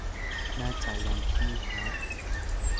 น่าจะวันที่ ฮะ